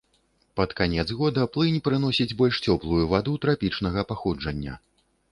Пад канец года, плынь прыносіць больш цёплую ваду, трапічнага паходжання.